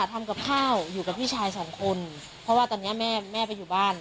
ทำกับข้าวอยู่กับพี่ชายสองคนเพราะว่าตอนเนี้ยแม่แม่ไปอยู่บ้าน